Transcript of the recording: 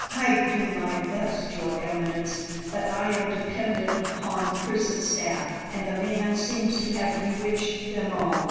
"I do my best, Your Eminence, but I am dependent upon the prison staff, and the man seems to have bewitched them all.